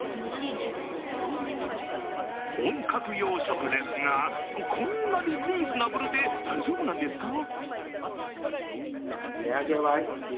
本格洋食ですが、こんなにリーズナブルで大丈夫なんですか？